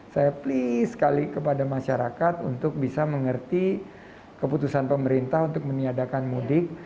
saya please sekali kepada masyarakat untuk bisa mengerti keputusan pemerintah untuk meniadakan mudik